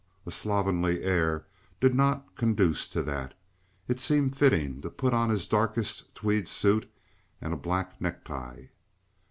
A slovenly air did not conduce to that. It seemed fitting to put on his darkest tweed suit and a black necktie.